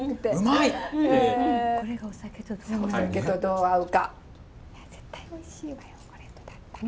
いや絶対おいしいわよこれとだったら。